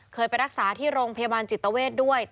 เคยไปรักษาที่โรงพยาบาลจิตเวทด้วย